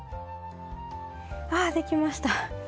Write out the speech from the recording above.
あできました。